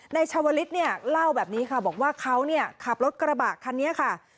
ชาวลิศเนี่ยเล่าแบบนี้ค่ะบอกว่าเขาเนี่ยขับรถกระบะคันนี้ค่ะ